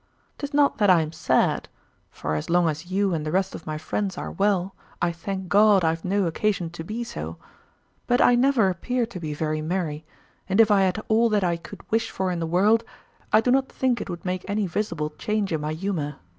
'Tis not that I am sad (for as long as you and the rest of my friends are well), I thank God I have no occasion to be so, but I never appear to be very merry, and if I had all that I could wish for in the world, I do not think it would make any visible change in my humour.